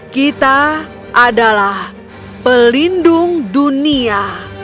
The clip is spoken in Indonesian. kita adalah pelindung dunia